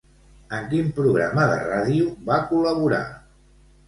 En quin programa de ràdio va col·laborar?